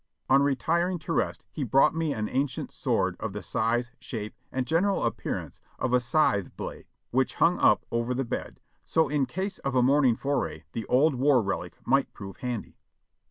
On retiring to rest he brought me an ancient sword of the size, shape and general ap pearance of a scythe blade, which hung up over the bed, so in case of a morning foray the old war relic might prove handy.